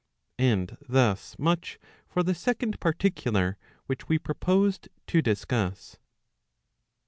And thus much for the second particular which we proposed to discuss.